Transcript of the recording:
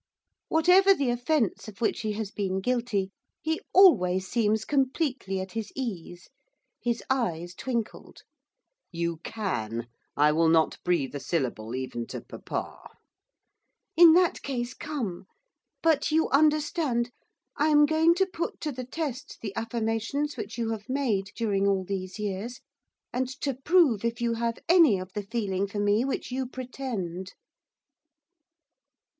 Whatever the offence of which he has been guilty, he always seems completely at his ease. His eyes twinkled. 'You can, I will not breathe a syllable even to papa.' 'In that case, come! But, you understand, I am going to put to the test the affirmations which you have made during all these years, and to prove if you have any of the feeling for me which you pretend.